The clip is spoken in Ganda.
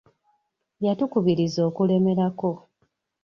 Yatukubiriza okulemerako.